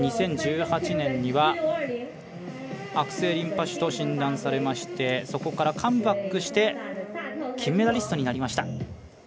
２０１８年には悪性リンパ腫と診断されましてそこからカムバックして金メダリストになりました。